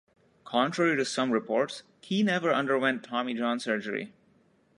Contrary to some reports, Key never underwent Tommy John surgery.